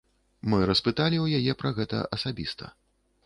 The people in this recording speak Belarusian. Мы распыталі ў яе пра гэта асабіста.